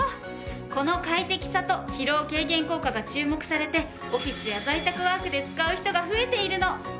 この快適さと疲労軽減効果が注目されてオフィスや在宅ワークで使う人が増えているの。